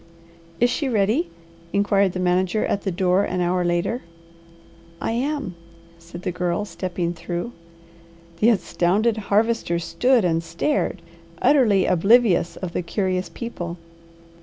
"Is she ready?" inquired the manager at the door an hour later. "I am," said the Girl stepping through. The astounded Harvester stood and stared, utterly oblivious of the curious people.